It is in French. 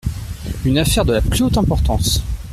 Une affaire de la plus haute importance !…